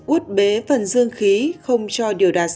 uốt bế phần dương khí không cho điều đạt